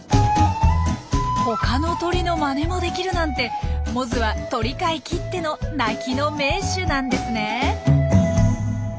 他の鳥のまねもできるなんてモズは鳥界きっての鳴きの名手なんですね。